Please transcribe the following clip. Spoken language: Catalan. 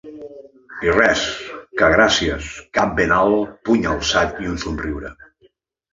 I res, que gràcies: cap ben alt, puny alçat i un somriure.